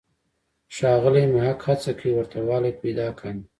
ښاغلی محق هڅه کوي ورته والی پیدا کاندي.